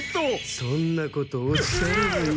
そんなことおっしゃらずに。